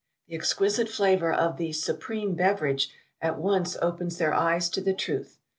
The exquisite flavour of the "supreme beverage" at once opens their eyes to the truth.